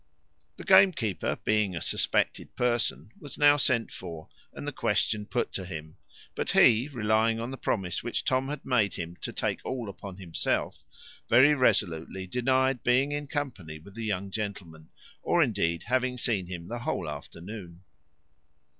The gamekeeper, being a suspected person, was now sent for, and the question put to him; but he, relying on the promise which Tom had made him, to take all upon himself, very resolutely denied being in company with the young gentleman, or indeed having seen him the whole afternoon.